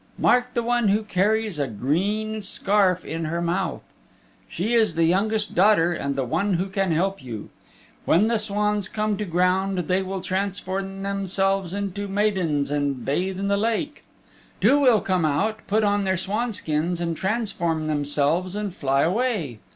Mark the one who carries a green scarf in her mouth. She is the youngest daughter and the one who can help you. When the swans come to the ground they will transform themselves into maidens and bathe in the lake. Two will come out, put on their swanskins and transform themselves and fly away.